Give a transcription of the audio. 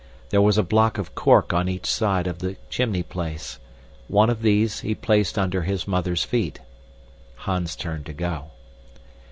There was a block of cork on each side of the chimney place. One of these he placed under his mother's feet. Hans turned to go.